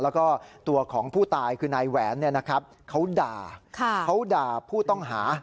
แล้วก็ตัวของผู้ตายคือนายแหวนเขาด่าเขาด่าผู้ต้องหา